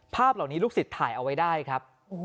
ภาพเหล่านี้ลูกศิษย์ถ่ายเอาไว้ได้ครับ